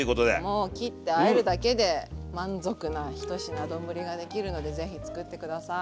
もう切ってあえるだけで満足な１品丼ができるのでぜひ作って下さい。